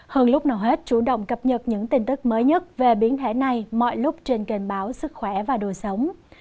hơn lúc nào hết chủ động cập nhật những tin tức mới nhất về biến thể này mọi lúc trên kênh báo sức khỏe và đời sống